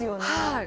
はい。